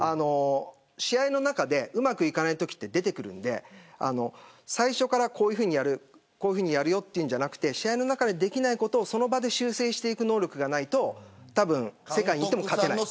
試合の中でうまくいかないときって出てくるので最初からこういうふうにやるよというのじゃなくて試合の中でできないことをその場で修正していく能力がないとたぶん世界にいっても勝てない。